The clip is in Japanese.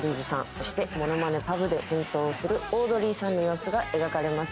そしてモノマネパブで奮闘するオードリーさんの様子が描かれます。